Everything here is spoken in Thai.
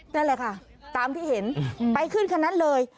นั่นแหละค่ะตามที่เห็นไปขึ้นคันนั้นเลย